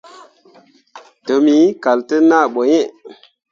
Tǝmmi kal te naa ɓoyin.